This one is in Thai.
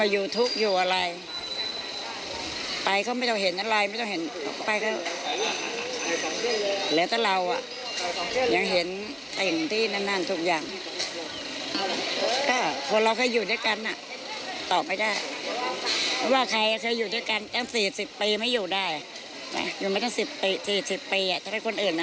อยู่ไม่ถึง๔๐ปีถ้าเป็นคนอื่นนะ